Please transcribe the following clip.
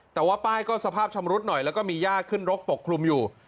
แต่ว่าป้ายก็สภาพชำรุดหน่อยแล้วก็มีย่าขึ้นรกปกคลุมอยู่